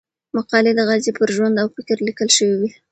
مقالې د غازي پر ژوند او فکر ليکل شوې وې.